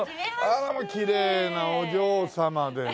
あらきれいなお嬢様でねえ。